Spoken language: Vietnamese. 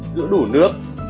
giữ đủ nước